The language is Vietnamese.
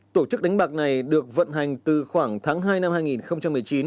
tổ chức đánh bạc này được vận hành từ khoảng tháng hai năm hai nghìn một mươi chín